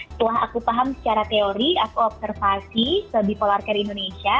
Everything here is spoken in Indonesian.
setelah aku paham secara teori aku observasi ke bipolar care indonesia